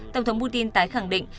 tổng thống putin tái khẳng định